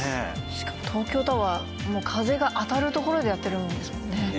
しかも東京タワー風が当たる所でやってるんですもんね。